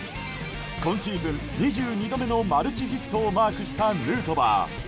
今シーズン２２度目のマルチヒットをマークしたヌートバー。